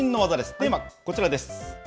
テーマはこちらです。